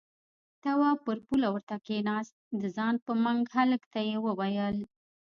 تواب پر پوله ورته کېناست، د ځان په منګ هلک ته يې وويل: